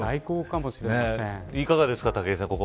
いかがですか、武井さん。